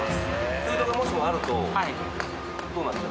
空洞がもしもあるとどうなっちゃうんですか？